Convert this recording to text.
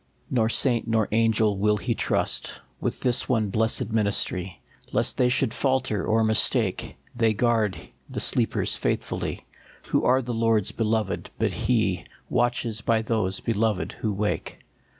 Nor saint nor angel will he trust With this one blessed ministry, Lest they should falter or mistake ; They guard the sleepers faithfully Who are the Lord s beloved ; but he Watches by those beloved who wake.